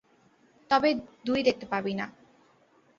তবে দুই দেখতে পাবি না।